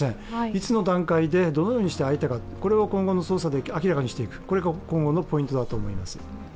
いつの段階でどのようにして開いたかを今後の捜査で明らかにしていくこれが今後のポイントだと思います。